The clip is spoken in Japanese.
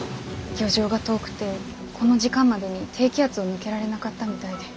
漁場が遠くてこの時間までに低気圧を抜けられなかったみたいで。